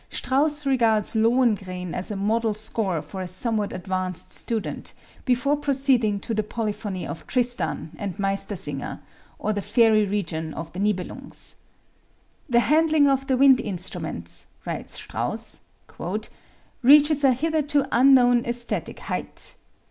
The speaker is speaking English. Strauss regards "Lohengrin" as a model score for a somewhat advanced student, before proceeding to the polyphony of "Tristan" and "Meistersinger" or "the fairy region of the 'Nibelungs.'" "The handling of the wind instruments," writes Strauss, "reaches a hitherto unknown esthetic height.